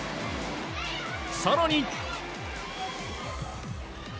更に。